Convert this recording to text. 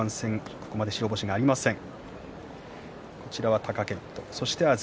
ここまで白星がありません。